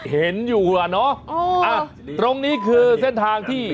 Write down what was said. เห็นอยู่อ่ะเนอะตรงนี้คือเส้นทางที่